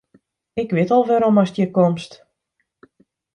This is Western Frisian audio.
Ik wit al wêrom ast hjir komst.